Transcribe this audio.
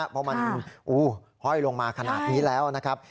เพราะมันห้อยลงมาขนาดนี้แล้วนะครับ